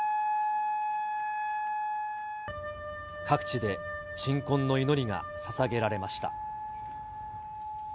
各地で鎮魂の祈りがささげられました。